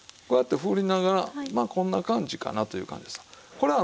こうやって振りながらまあこんな感じかなという感じですわ。